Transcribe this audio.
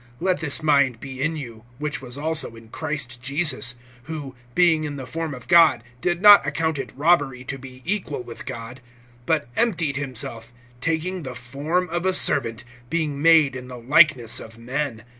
(5)Let this mind be in you, which was also in Christ Jesus; (6)who, being in the form of God, did not account it robbery to be equal with God; (7)but emptied himself, taking the form of a servant, being made in the likeness of men.